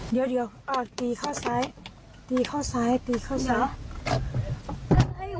เดี๋ยวเดี๋ยวอ่ะตีเข้าซ้ายตีเข้าซ้ายตีเข้าซ้ายเดี๋ยว